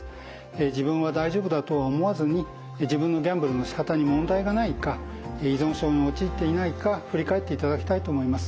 自分は大丈夫だとは思わずに自分のギャンブルのしかたに問題がないか依存症に陥っていないか振り返っていただきたいと思います。